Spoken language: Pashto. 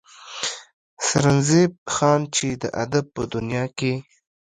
سرنزېب خان چې د ادب پۀ دنيا کښې